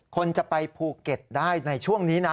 คนจะไปภูเก็ตได้ในช่วงนี้นะ